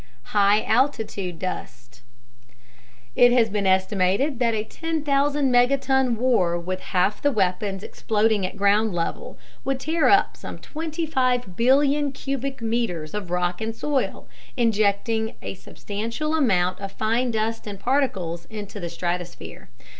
High Altitude Dust It has been estimated that a 10,000 megaton war with half the weapons exploding at ground level would tear up some 25 billion cubic meters of rock and soil, injecting a substantial amount of fine dust and particles into the stratosphere.